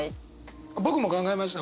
僕も考えました。